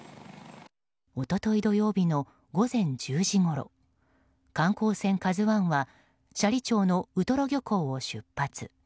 一昨日、土曜日の午前１０時ごろ観光船「ＫＡＺＵ１」は斜里町のウトロ漁港を出発。